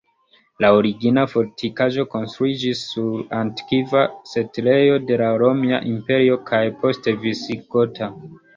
La origina fortikaĵo konstruiĝis sur antikva setlejo de la romia imperio kaj poste visigota.